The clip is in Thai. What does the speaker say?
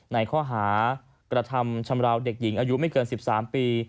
ในข้อหากระทำชำราวเด็กหญิงอายุไม่เกิน๑๓ปี